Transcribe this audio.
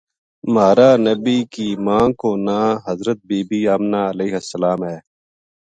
مہارا بنی ﷺ کی ماں کو ناں حضرت بی بی آمنہ علیہا السلام ہے۔